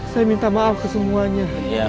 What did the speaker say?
saya minta maaf ke semuanya